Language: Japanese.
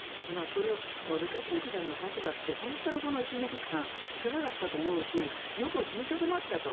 ルカシェンコさんの立場って、この１年間本当につらかったと思うしよく踏みとどまったと。